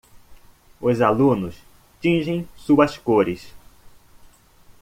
Os alunos tingem suas cores.